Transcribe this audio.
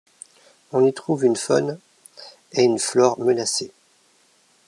On y trouve une faune et une flore menacées.